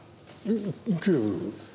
警部？